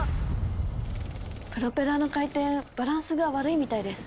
プロペラの回転バランスが悪いみたいです。